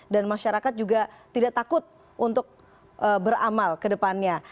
dan masyarakat juga tidak takut untuk beramal ke depannya